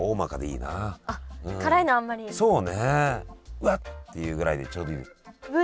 「うわっ！」って言うぐらいでちょうどいい。